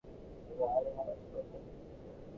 তুমি অনেক আওয়াজ করো, তাই।